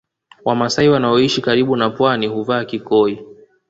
Wamasai wanaoishi karibu na Pwani huvaa kikoi